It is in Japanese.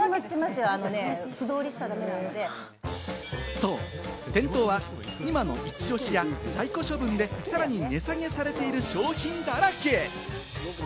そう、店頭は今のイチ押しや、在庫処分でさらに値下げされている商品だらけ。